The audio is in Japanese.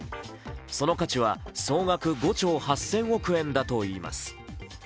その価値は総額５兆８０００億円だといいます。